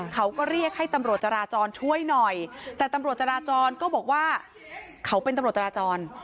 เขาก็เรียกให้ตำรวจจราจรช่วยหน่อยแต่ตำรวจจราจรก็บอกว่าเขาเป็นตำรวจจราจร